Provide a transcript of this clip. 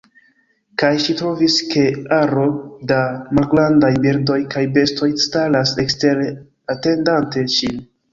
Kaj ŝi trovis, ke aro da malgrandaj birdoj kaj bestoj staras ekstere atendante ŝin.